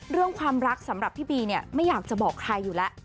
เรื่องความรักสำหรับพี่บีเนี่ยไม่อยากจะบอกใครอยู่แล้ว